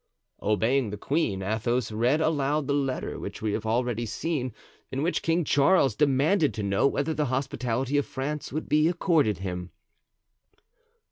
Obeying the queen, Athos read aloud the letter which we have already seen, in which King Charles demanded to know whether the hospitality of France would be accorded him.